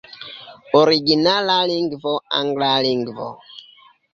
Originala lingvo: angla lingvo.